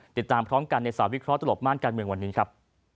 ติดตามพร้อมกันในสาววิเคราะหลบม่านการเมืองวันนี้ครับ